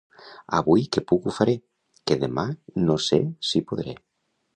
Avui que puc ho faré, que demà no sé si podré.